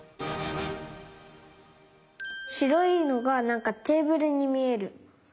しろいのがなんかテーブルにみえる。